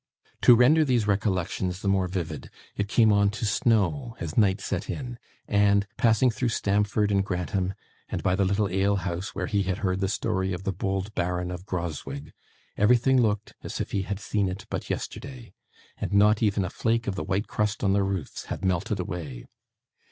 To render these recollections the more vivid, it came on to snow as night set in; and, passing through Stamford and Grantham, and by the little alehouse where he had heard the story of the bold Baron of Grogzwig, everything looked as if he had seen it but yesterday, and not even a flake of the white crust on the roofs had melted away.